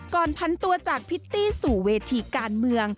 พันตัวจากพิตตี้สู่เวทีการเมือง